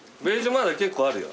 まだ結構あるよ。